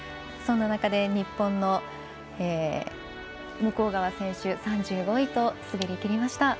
そんな中で日本の向川選手３５位と滑りきりました。